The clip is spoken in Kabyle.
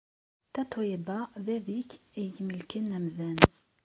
Tatoeba d adeg ay imellken amdan.